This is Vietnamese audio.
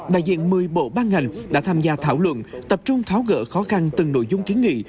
đại diện một mươi bộ ban ngành đã tham gia thảo luận tập trung tháo gỡ khó khăn từng nội dung kiến nghị